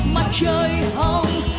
mặt trời hồng